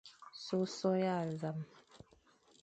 Sôsôe a zam.